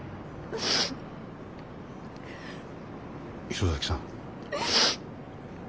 磯崎さん。